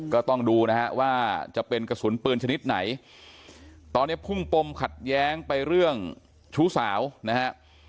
ก็ต้องดูนะฮะว่าจะเป็นกระสุนปืนชนิดไหนตอนนี้พุ่งปมขัดแย้งไปเรื่องชู้สาวนะฮะ